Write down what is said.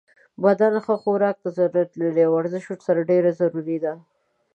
بدن ښه خوراک ته ضرورت لری او ورزش ورسره ډیر ضروری ده